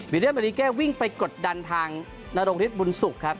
วิเรียนมหลีแก้วิ่งไปกดดันทางนโรคฤทธิ์บุญศุกร์ครับ